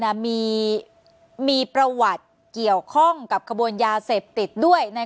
เนี่ยมีประวัติเกี่ยวข้องกับขบวนยาเสพติดด้วยใน